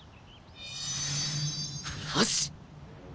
よし！